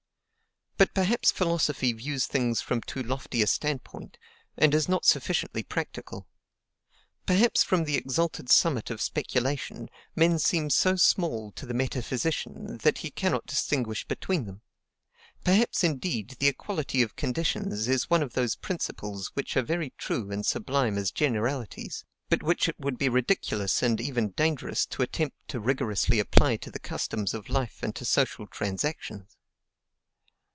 But perhaps philosophy views things from too lofty a standpoint, and is not sufficiently practical; perhaps from the exalted summit of speculation men seem so small to the metaphysician that he cannot distinguish between them; perhaps, indeed, the equality of conditions is one of those principles which are very true and sublime as generalities, but which it would be ridiculous and even dangerous to attempt to rigorously apply to the customs of life and to social transactions.